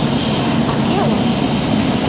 — Акела!